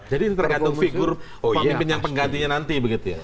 jadi ini tergantung figur pemimpin yang penggantinya nanti begitu ya